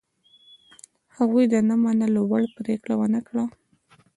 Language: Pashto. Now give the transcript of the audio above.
هغوی د منلو وړ پرېکړه ونه کړه.